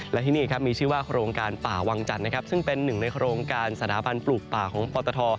และที่นี่ครับมีชื่อว่าโครงการป่าวังจันทร์นะครับซึ่งเป็นหนึ่งในโครงการสถาบันปลูกป่าของปตท